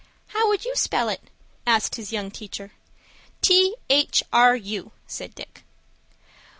"How would you spell it?" asked his young teacher. "T h r u," said Dick.